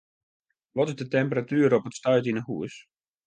Wat is de temperatuer op it stuit yn 'e hûs?